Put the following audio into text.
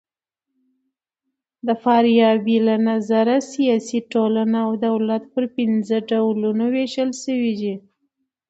د فارابۍ له نظره سیاسي ټولنه او دولت پر پنځه ډولونو وېشل سوي دي.